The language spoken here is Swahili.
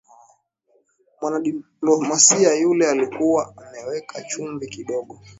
Mwanadiplomasia yule alikuwa ameweka chumvi kidogo